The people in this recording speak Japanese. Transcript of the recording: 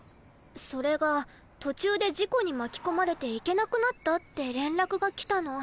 それが途中で事故に巻き込まれて行けなくなったって連絡が来たの。